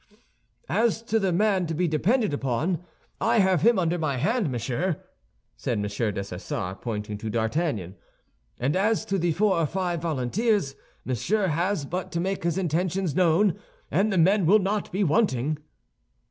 "As to the man to be depended upon, I have him under my hand, monsieur," said M. Dessessart, pointing to D'Artagnan; "and as to the four or five volunteers, Monsieur has but to make his intentions known, and the men will not be wanting."